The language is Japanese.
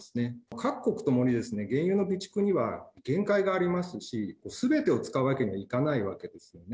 各国ともに原油の備蓄には限界がありますし、すべてを使うわけにはいかないわけですよね。